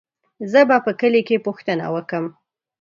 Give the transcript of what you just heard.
زه به په کلي کې پوښتنه وکم.